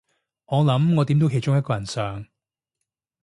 我諗我點到其中一個人相